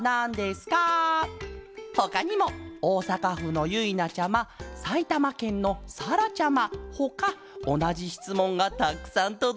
ほかにもおおさかふのゆいなちゃまさいたまけんのさらちゃまほかおなじしつもんがたくさんとどいてるケロ。